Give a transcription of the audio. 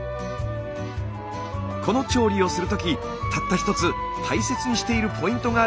この調理をする時たった一つ大切にしているポイントがあるそうです。